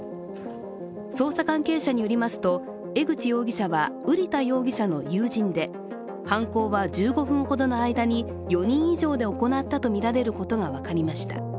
捜査関係者によりますと江口容疑者は瓜田容疑者の友人で犯行は１５分ほどの間に４人以上で行ったとみられることが分かりました。